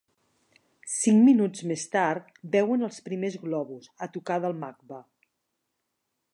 Cinc minuts més tard veuen els primers globus, a tocar del Macba.